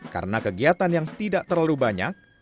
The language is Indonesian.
karena kegiatan yang tidak terlalu banyak